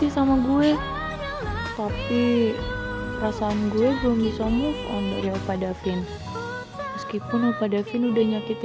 sampai jumpa di video selanjutnya